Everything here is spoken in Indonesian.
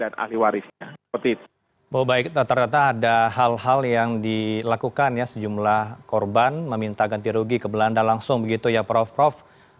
nah ini adalah hal hal yang dilakukan sejumlah korban meminta ganti rugi ke belanda langsung begitu ya prof